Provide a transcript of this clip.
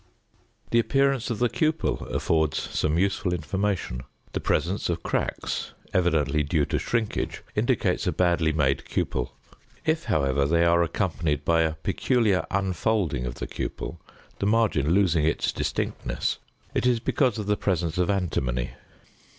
The appearance of the cupel affords some useful information. The presence of cracks evidently due to shrinkage indicates a badly made cupel. If, however, they are accompanied by a peculiar unfolding of the cupel, the margin losing its distinctness, it is because of the presence of antimony.